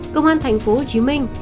công an thành phố hồ chí minh